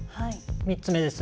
３つ目です。